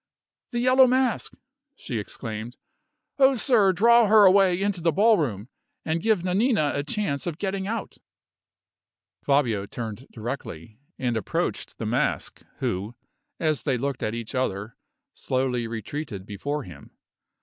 "The Yellow Mask!" she exclaimed. "Oh, sir, draw her away into the ballroom, and give Nanina a chance of getting out!" Fabio turned directly, and approached the Mask, who, as they looked at each other, slowly retreated before him.